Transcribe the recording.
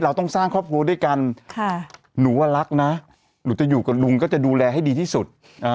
เราต้องสร้างครอบครัวด้วยกันหนูว่ารักนะหนูจะอยู่กับลุงก็จะดูแลให้ดีที่สุด